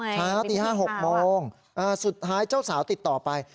เช้าตี๕๖โมงสุดท้ายเจ้าสาวติดต่อไป